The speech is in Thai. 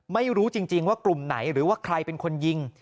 ไม่รู้จริงว่ากลุ่มไหนหรือว่าใครเป็นคนยิง